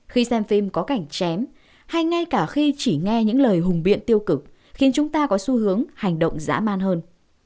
khi xem phim có cảnh chém hay ngay cả khi chỉ nghe những lời hùng biện tiêu cực khiến chúng ta có xu hướng hành động dã man hơn